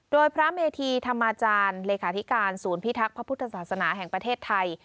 โดยพระเมธีธรรมาจารย์เลขาธิการศูนย์พิทักษ์พระพุทธศาสนาแห่งประเทศไทย